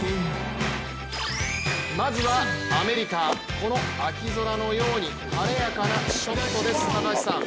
まずはアメリカ、この秋空のように晴れやかなショットです、高橋さん。